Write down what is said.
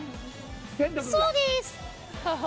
そうです！